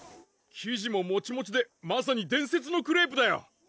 生地もモチモチでまさに「伝説のクレープ」だよ！